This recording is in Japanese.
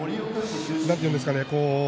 なんていうんですかね